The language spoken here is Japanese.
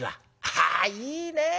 「ああいいねえ！